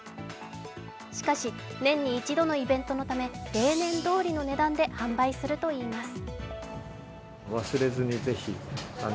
しかし年に一度のイベントのため例年どおりの値段で販売するといいます。